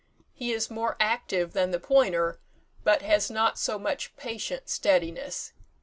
He is more active than the pointer, but has not so much patient steadiness.